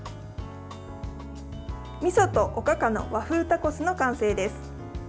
みそとおかかの和風タコスの完成です。